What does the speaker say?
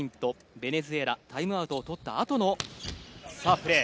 ベネズエラ、タイムアウトを取ったあとのプレー。